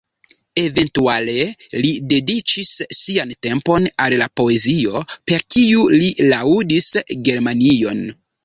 Eventuale li dediĉis sian tempon al la poezio, per kiu li laŭdis Germanion.